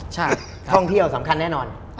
ใช่ท่องเที่ยวสำคัญแน่นอน